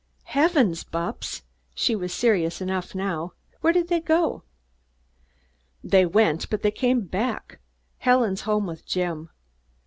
"Heavens, Bupps!" she was serious enough now. "Where did they go?" "They went, but they came back. Helen's home with Jim.